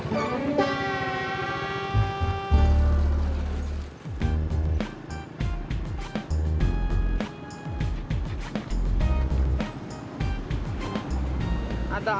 gak ada apa apa bang